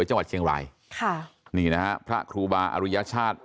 จังหวัดเชียงรายค่ะนี่นะฮะพระครูบาอรุยชาติ